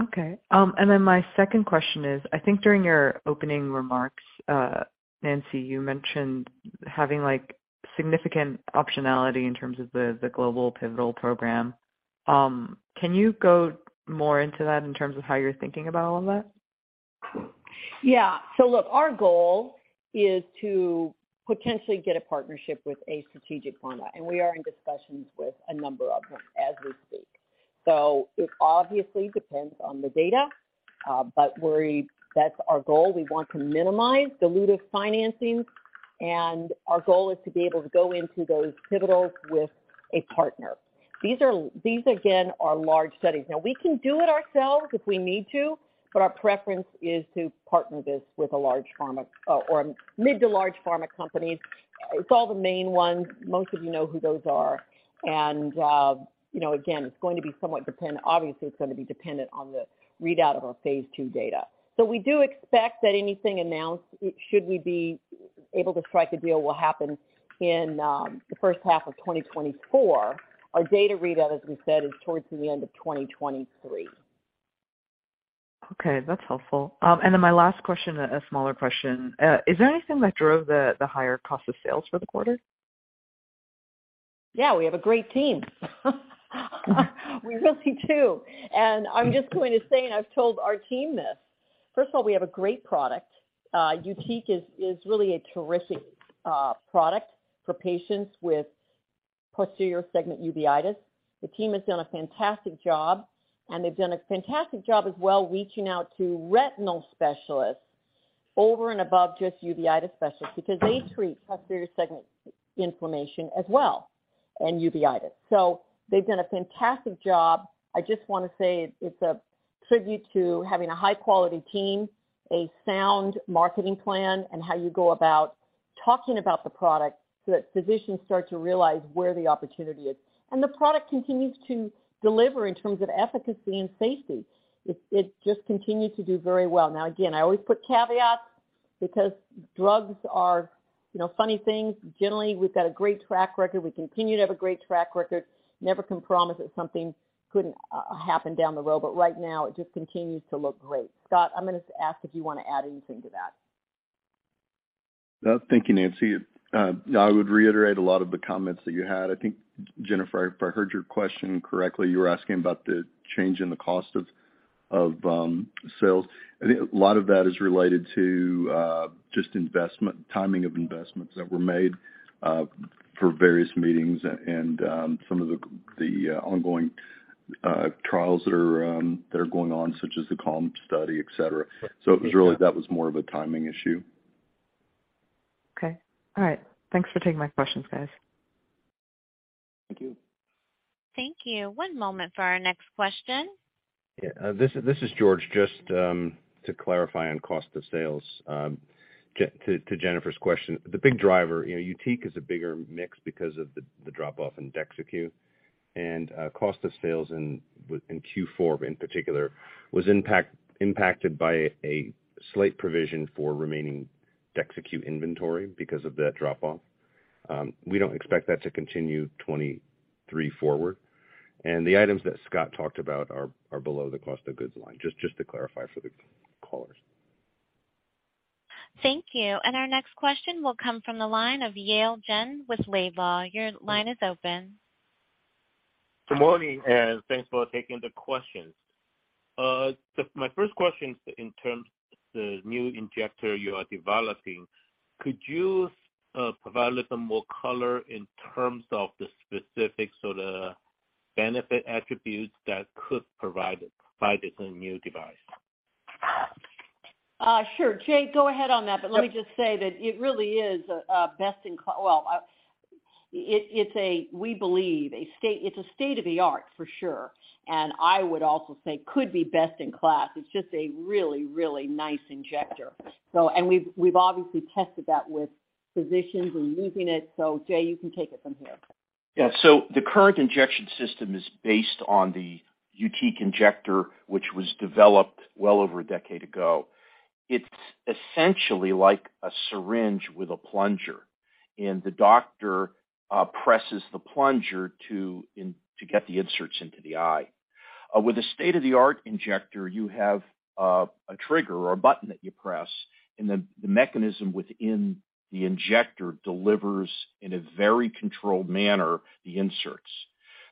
Okay. My second question is, I think during your opening remarks, Nancy, you mentioned having, like, significant optionality in terms of the global pivotal program. Can you go more into that in terms of how you're thinking about all of that? Yeah. Look, our goal is to potentially get a partnership with a strategic partner, and we are in discussions with a number of them as we speak. It obviously depends on the data, but that's our goal. We want to minimize dilutive financings, and our goal is to be able to go into those pivotals with a partner. These again, are large studies. Now we can do it ourselves if we need to, but our preference is to partner this with a large pharma, or mid to large pharma companies. It's all the main ones. Most of you know who those are. You know, again, it's going to be somewhat dependent. Obviously, it's gonna be dependent on the readout of our phase II data. We do expect that anything announced, should we be able to strike a deal, will happen in the first half of 2024. Our data readout, as we said, is towards the end of 2023. Okay, that's helpful. My last question, a smaller question. Is there anything that drove the higher cost of sales for the quarter? Yeah, we have a great team. We really do. I'm just going to say, and I've told our team this. First of all, we have a great product. YUTIQ is really a terrific product for patients with posterior segment uveitis. The team has done a fantastic job, and they've done a fantastic job as well, reaching out to retinal specialists over and above just uveitis specialists because they treat posterior segment inflammation as well, and uveitis. They've done a fantastic job. I just wanna say it's a tribute to having a high-quality team, a sound marketing plan, and how you go about talking about the product so that physicians start to realize where the opportunity is. The product continues to deliver in terms of efficacy and safety. It just continues to do very well. Again, I always put caveats because drugs are, you know, funny things. Generally, we've got a great track record. We continue to have a great track record. Never can promise that something couldn't happen down the road, but right now it just continues to look great. Scott, I'm gonna ask if you wanna add anything to that. Thank you, Nancy. I would reiterate a lot of the comments that you had. I think, Jennifer, if I heard your question correctly, you were asking about the change in the cost of sales. I think a lot of that is related to just investment, timing of investments that were made for various meetings and some of the ongoing trials that are going on, such as the CALM study, et cetera. It was really that was more of a timing issue. Okay. All right. Thanks for taking my questions, guys. Thank you. Thank you. One moment for our next question. Yeah. This is George. Just to clarify on cost of sales, to Jennifer's question. The big driver, you know, YUTIQ is a bigger mix because of the drop-off in DEXYCU. Cost of sales in Q4 in particular was impacted by a slight provision for remaining DEXYCU inventory because of that drop-off. We don't expect that to continue 2023 forward. The items that Scott talked about are below the cost of goods line, just to clarify for the callers. Thank you. Our next question will come from the line of Yale Jen with Laidlaw & Company. Your line is open. Good morning. Thanks for taking the questions. My first question is in terms of the new injector you are developing. Could you provide a little more color in terms of the specifics or the benefit attributes that could provide this new device? Sure. Jay, go ahead on that. Let me just say that it really is a state-of-the-art for sure. I would also say could be best in class. It's just a really, really nice injector. We've obviously tested that with physicians and using it. Jay, you can take it from here. The current injection system is based on the YUTIQ injector, which was developed well over a decade ago. It's essentially like a syringe with a plunger, and the doctor presses the plunger to get the inserts into the eye. With a state-of-the-art injector, you have a trigger or a button that you press, and the mechanism within the injector delivers in a very controlled manner the inserts.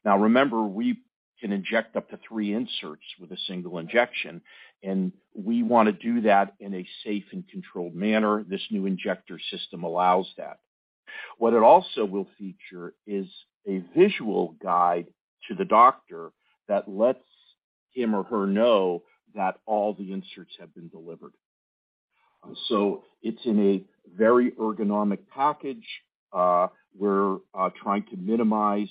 Remember, we can inject up to three inserts with a single injection, and we wanna do that in a safe and controlled manner. This new injector system allows that. What it also will feature is a visual guide to the doctor that lets him or her know that all the inserts have been delivered. It's in a very ergonomic package. We're trying to minimize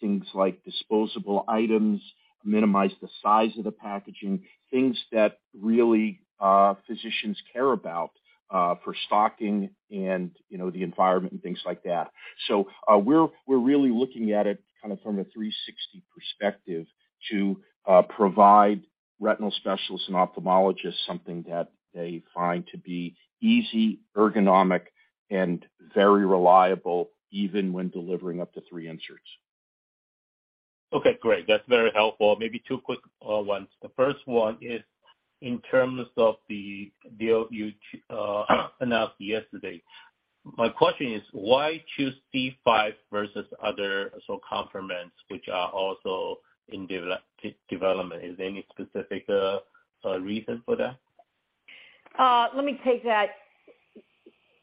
things like disposable items, minimize the size of the packaging, things that really physicians care about for stocking and, you know, the environment and things like that. We're really looking at it kind of from a 360 perspective to provide retinal specialists and ophthalmologists something that they find to be easy, ergonomic, and very reliable, even when delivering up to three inserts. Okay, great. That's very helpful. Maybe two quick ones. The first one is in terms of the deal you announced yesterday. My question is, why choose C5 versus other sort of complements which are also in development? Is there any specific reason for that? Let me take that.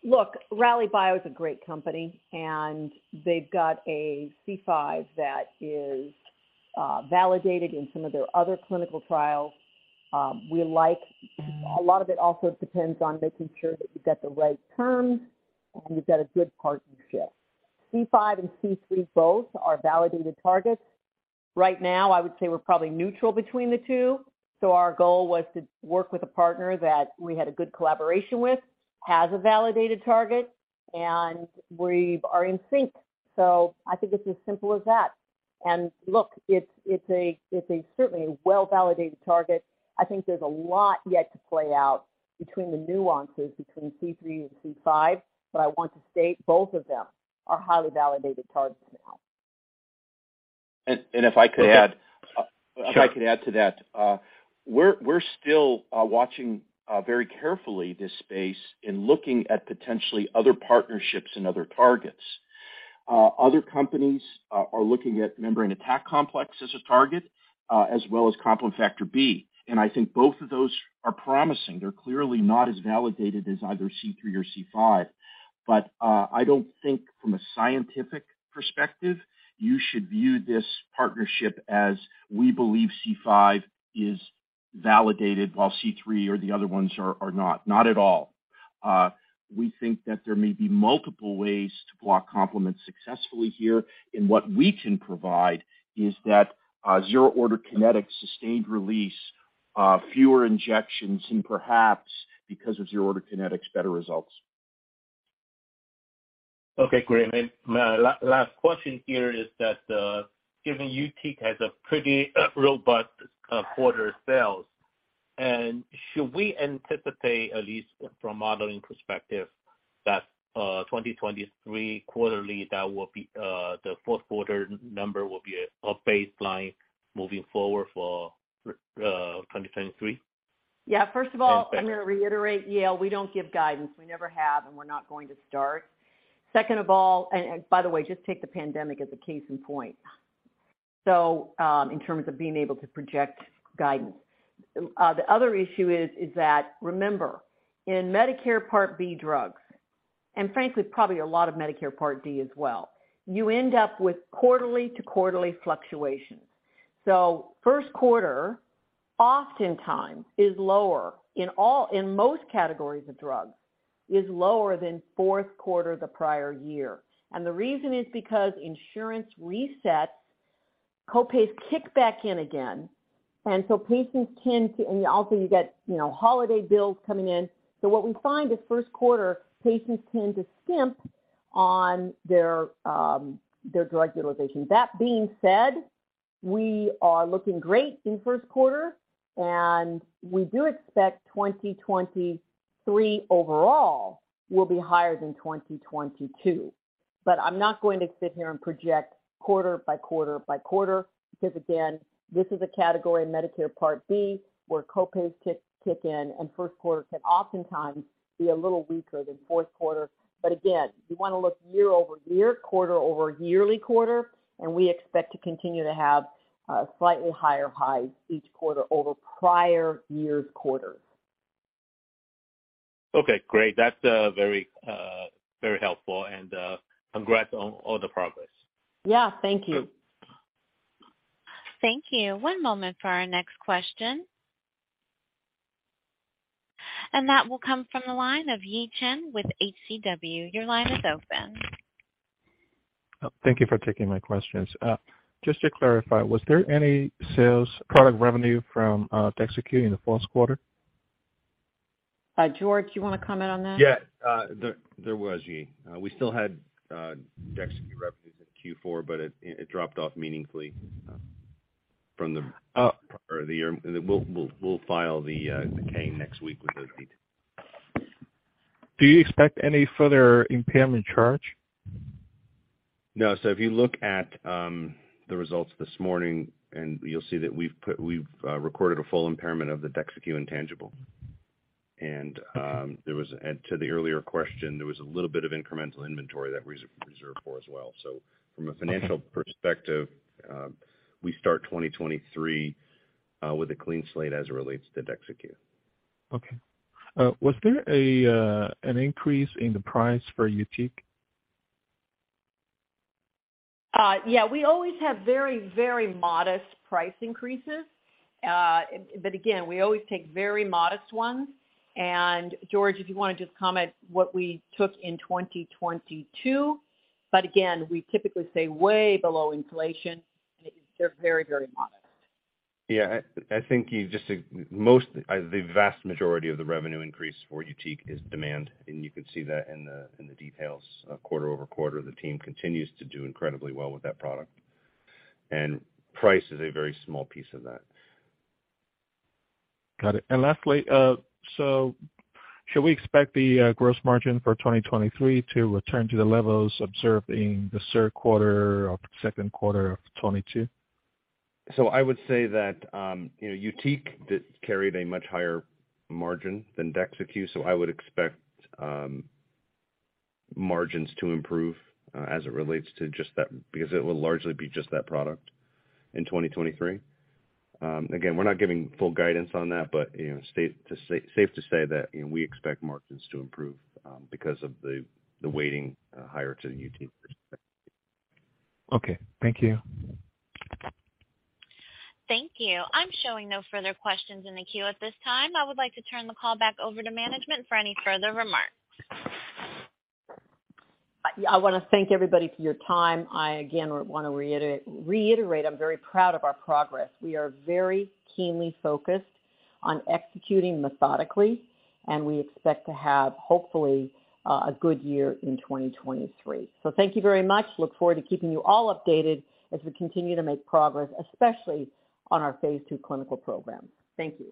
Look, Rallybio is a great company, and they've got a C5 that is validated in some of their other clinical trials. A lot of it also depends on making sure that you've got the right terms and you've got a good partnership. C5 and C3 both are validated targets. Right now, I would say we're probably neutral between the two. Our goal was to work with a partner that we had a good collaboration with, has a validated target, and we are in sync. I think it's as simple as that. Look, it's a certainly a well-validated target. I think there's a lot yet to play out between the nuances between C3 and C5, but I want to state both of them are highly validated targets now. If I could add. Okay. Sure. If I could add to that, we're still watching very carefully this space and looking at potentially other partnerships and other targets. Other companies are looking at membrane attack complex as a target, as well as complement factor B. I think both of those are promising. They're clearly not as validated as either C3 or C5. I don't think from a scientific perspective, you should view this partnership as we believe C5 is validated while C3 or the other ones are not. Not at all. We think that there may be multiple ways to block complement successfully here, and what we can provide is that zero-order kinetic sustained release, fewer injections, and perhaps because of zero-order kinetics, better results. Okay, great. My last question here is that, given YUTIQ has a pretty, robust, quarter sales, and should we anticipate, at least from a modeling perspective, that 2023 quarterly, that will be, the fourth quarter number will be a baseline moving forward for 2023? Yeah. And second- I'm gonna reiterate, Yale, we don't give guidance. We never have, and we're not going to start. Second of all. By the way, just take the pandemic as a case in point. In terms of being able to project guidance. The other issue is that remember, in Medicare Part B drugs, and frankly probably a lot of Medicare Part D as well, you end up with quarterly to quarterly fluctuations. First quarter, oftentimes is lower in most categories of drugs, is lower than fourth quarter the prior year. The reason is because insurance resets, co-pays kick back in again, and so patients tend to. Also you get, you know, holiday bills coming in. What we find is first quarter, patients tend to skimp on their drug utilization. That being said, we are looking great in first quarter, and we do expect 2023 overall will be higher than 2022. I'm not going to sit here and project quarter by quarter by quarter, because again, this is a category Medicare Part B, where co-pays kick in and first quarter can oftentimes be a little weaker than fourth quarter. Again, you wanna look year-over-year, quarter over yearly quarter, and we expect to continue to have slightly higher highs each quarter over prior year's quarters. Okay, great. That's very, very helpful. Congrats on all the progress. Yeah, thank you. Good. Thank you. One moment for our next question. That will come from the line of Yi Chen with HCW. Your line is open. Thank you for taking my questions. Just to clarify, was there any sales product revenue from DEXYCU in the fourth quarter? George, you wanna comment on that? Yeah. There was, Yi. We still had DEXYCU revenues in Q4, but it dropped off meaningfully. Oh. The year. We'll file the K next week with those details. Do you expect any further impairment charge? No. If you look at the results this morning, you'll see that we've recorded a full impairment of the DEXYCU intangible. To the earlier question, there was a little bit of incremental inventory that we re-reserved for as well. From a financial perspective, we start 2023 with a clean slate as it relates to DEXYCU. Okay. Was there an increase in the price for YUTIQ? Yeah. We always have very, very modest price increases. Again, we always take very modest ones. George, if you wanna just comment what we took in 2022, but again, we typically stay way below inflation, and it is just very, very modest. Yeah. I think you just. Most, the vast majority of the revenue increase for YUTIQ is demand, and you can see that in the details. Quarter-over-quarter, the team continues to do incredibly well with that product. Price is a very small piece of that. Got it. lastly, should we expect the gross margin for 2023 to return to the levels observed in the third quarter or second quarter of 2022? I would say that, you know, YUTIQ did carried a much higher margin than DEXYCU, so I would expect margins to improve as it relates to just that, because it will largely be just that product in 2023. Again, we're not giving full guidance on that, but, you know, safe to say that, you know, we expect margins to improve because of the weighting higher to the YUTIQ perspective. Okay. Thank you. Thank you. I'm showing no further questions in the queue at this time. I would like to turn the call back over to management for any further remarks. I wanna thank everybody for your time. I again wanna reiterate I'm very proud of our progress. We are very keenly focused on executing methodically, and we expect to have hopefully a good year in 2023. Thank you very much. Look forward to keeping you all updated as we continue to make progress, especially on our phase II clinical program. Thank you.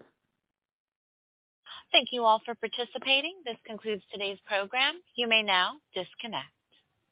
Thank you all for participating. This concludes today's program. You may now disconnect.